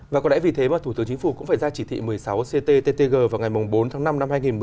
và có lẽ vì thế mà thủ tướng chính phủ cũng phải ra chỉ thị một mươi sáu cttg vào ngày bốn tháng năm năm hai nghìn một mươi chín